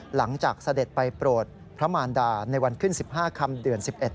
เสด็จไปโปรดพระมารดาในวันขึ้น๑๕คำเดือน๑๑